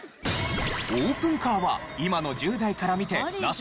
オープンカーは今の１０代から見てナシ？